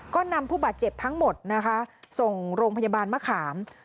ก็นำผู้บาดเจ็บทั้งหมดนะคะส่งโรงพยาบาลมะขาม